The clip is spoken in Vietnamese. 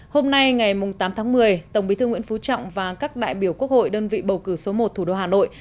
hôm nay ngày tám tháng một mươi tổng bí thư nguyễn phú trọng và các đại biểu quốc hội đơn vị bầu cử số một thủ đô hà nội